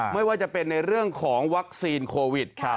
ไม่ว่าจะเป็นในเรื่องของวัคซีนโควิด